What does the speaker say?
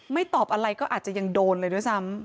ตอบอะไรก็อาจจะยังโดนเลยด้วยซ้ำ